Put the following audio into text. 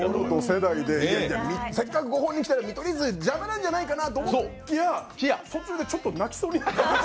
世代で、せっかくご本人来たのに見取り図、邪魔じゃないかなと思いきや、途中でちょっと泣きそうになった。